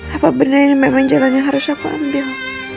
apa benar ini memang jalan yang harus aku ambil